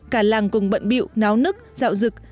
cả làng cùng bận biệu náo nức dạo dực